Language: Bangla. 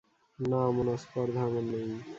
না, অমন স্পর্ধা আমার নেই।